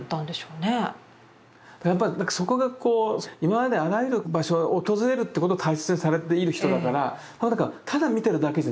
やっぱり何かそこがこう今まであらゆる場所を訪れるってことを大切にされている人だからただ見てるだけじゃないんです。